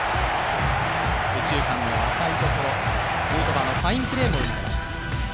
右中間の浅いところ、ヌートバーのファインプレーも出ました。